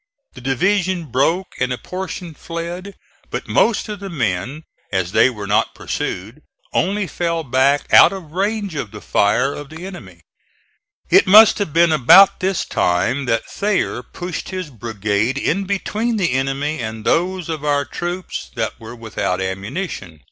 The division broke and a portion fled, but most of the men, as they were not pursued, only fell back out of range of the fire of the enemy. It must have been about this time that Thayer pushed his brigade in between the enemy and those of our troops that were without ammunition.